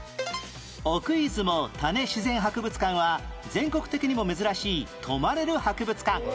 奥出雲多根自然博物館は全国的にも珍しい泊まれる博物館